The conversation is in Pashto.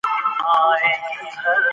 هغه د وينا او عمل يووالی ساته.